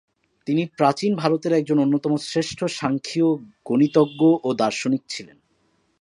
তিনি প্রাচীন ভারতের একজন অন্যতম শ্রেষ্ঠ সাংখ্যিয় গণিতজ্ঞ ও দার্শনিক ছিলেন।